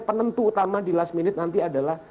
penentu utama di last minute nanti adalah